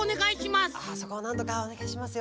ああそこをなんとかおねがいしますよ。